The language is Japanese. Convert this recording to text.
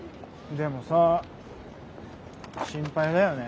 でもさ心配だよね。